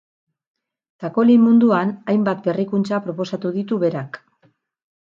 Txakolin munduan hainbat berrikuntza proposatu ditu berak.